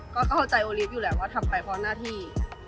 ก็เข้าใจโอลิฟต์อยู่แหละว่าทำไปเพราะหน้าที่